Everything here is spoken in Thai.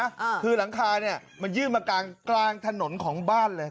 อ่าคือหลังคาเนี้ยมันยื่นมากลางกลางถนนของบ้านเลย